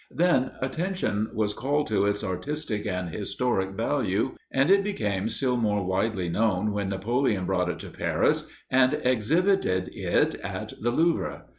Then attention was called to its artistic and historic value, and it became still more widely known when Napoleon brought it to Paris and exhibited it at the Louvre.